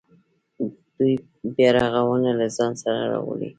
دوی بیرغونه له ځان سره راوړي.